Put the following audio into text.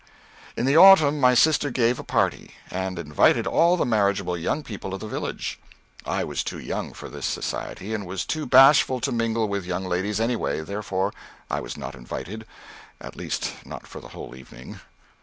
In the autumn my sister gave a party, and invited all the marriageable young people of the village. I was too young for this society, and was too bashful to mingle with young ladies, anyway, therefore I was not invited at least not for the whole evening.